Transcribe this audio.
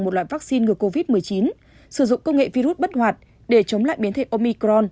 một loại vaccine ngừa covid một mươi chín sử dụng công nghệ virus bất hoạt để chống lại biến thể omicron